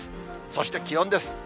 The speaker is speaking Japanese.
そして、気温です。